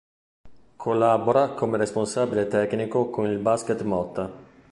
Collabora come responsabile tecnico con il Basket Motta